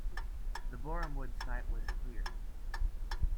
The Borehamwood site was cleared.